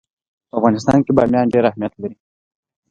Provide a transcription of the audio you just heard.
په افغانستان کې بامیان ډېر اهمیت لري.